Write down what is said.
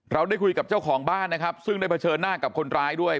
เราได้คุยกับเจ้าของบ้านนะครับซึ่งได้เผชิญหน้ากับคนร้ายด้วย